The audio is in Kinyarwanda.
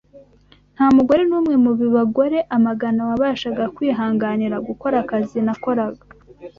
Nta mugore n’umwe mu bagore amagana wabashaga kwihanganira gukora akazi nakoraga